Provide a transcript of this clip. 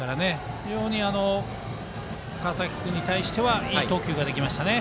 非常に川崎君に対してはいい投球ができましたね。